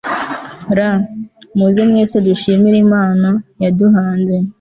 r/muze mwese dushimire imana, yaduhanze